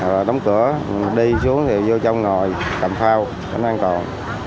rồi đóng cửa đi xuống thì vô trong ngồi cầm phao tránh an toàn